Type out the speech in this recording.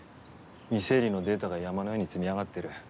未整理のデータが山のように積み上がってる。